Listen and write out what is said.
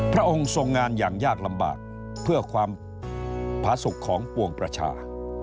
พระองค์ทรงงานอย่างยากลำบากเพื่อความผาสุขของปวงประชา